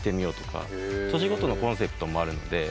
年ごとのコンセプトもあるので。